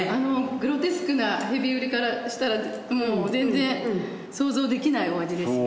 グロテスクなヘビウリからしたらもう全然想像できないお味ですね。